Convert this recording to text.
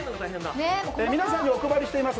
皆さんにお配りしています